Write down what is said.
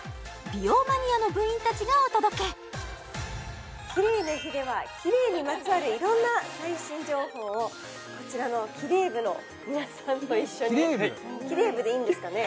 美容マニアの部員たちがお届けキレイの日ではキレイにまつわる色んな最新情報をこちらのキレイ部の皆さんと一緒にキレイ部でいいんですかね？